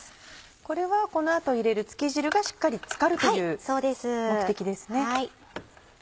これはこの後入れるつけ汁がしっかり漬かるという目的ですね。